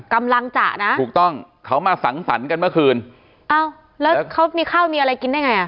กำลังจะนะถูกต้องเขามาสังสรรค์กันเมื่อคืนอ้าวแล้วเขามีข้าวมีอะไรกินได้ไงอ่ะ